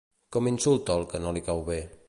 Com insulta al que no li cau bé?